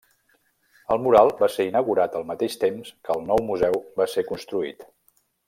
El mural va ser inaugurat al mateix temps que el nou museu va ser construït.